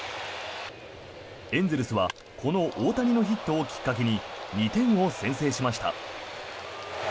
エンゼルスはこの大谷のヒットをきっかけに２点を先制しました。